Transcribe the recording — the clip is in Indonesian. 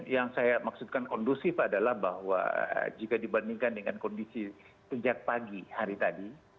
yang saya maksudkan kondusif adalah bahwa jika dibandingkan dengan kondisi sejak pagi hari tadi